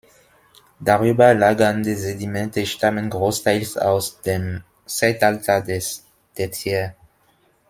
Darüber lagernde Sedimente stammen großteils aus dem Zeitalter des Tertiär.